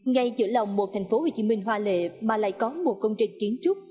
ngay giữa lòng một thành phố hồ chí minh hoa lệ mà lại có một công trình kiến trúc